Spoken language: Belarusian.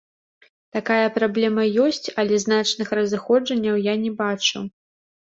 Такая праблема ёсць, але значных разыходжанняў я не бачу.